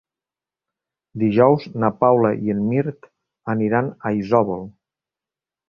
Dijous na Paula i en Mirt aniran a Isòvol.